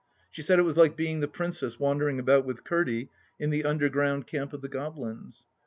She said it was like being The Princess wandering about with Curdie in the underground camp of the Goblins.